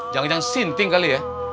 jang jang sinting kali ya